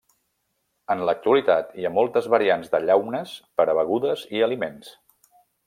En l'actualitat hi ha moltes variants de llaunes per a begudes i aliments.